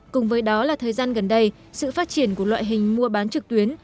cùng với đó là thời gian gần đây sự phát triển của loại hình mua bán trực tuyến